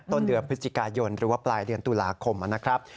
ต้นเดือนพฤศจิกายนหรือว่าปลายเดือนตุลาคมนะครับ